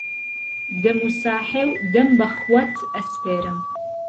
دهم و ساحێو دهم به خوهت ئهسپێرم